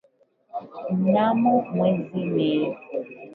mnamo mwezi Mei